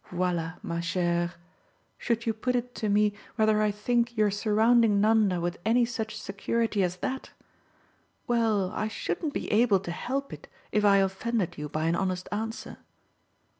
Voila, ma chere. Should you put it to me whether I think you're surrounding Nanda with any such security as that well, I shouldn't be able to help it if I offended you by an honest answer.